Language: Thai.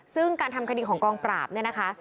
ซึ่งการทำคดีของกองปราบเนี่ยนะคะ